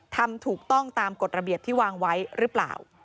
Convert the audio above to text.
ทำถูกต้องตามกฎระเบียบที่วางไว้หรือเปล่า